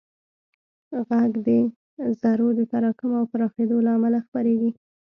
غږ د ذرّو د تراکم او پراخېدو له امله خپرېږي.